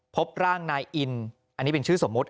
พบร่างนายอินอันนี้เป็นชื่อสมมุติ